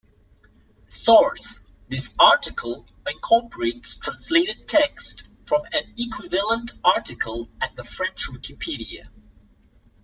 Source: "This article incorporates translated text from an equivalent article at the French Wikipedia".